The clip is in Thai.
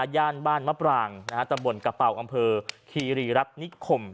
ย่านบ้านมะปรางตะบนกระเป๋าอำเภอคีรีรัฐนิคม